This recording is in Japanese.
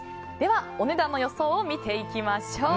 お値段の予想を見ていきましょう。